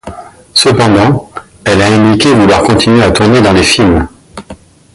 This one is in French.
Cependant, elle a indiqué vouloir continuer à tourner dans les films.